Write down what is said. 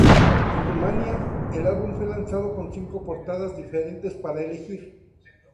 En Rumania, el álbum fue lanzado con cinco portadas diferentes para elegir.